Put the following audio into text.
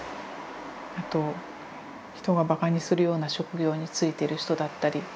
あと人がバカにするような職業に就いてる人だったり。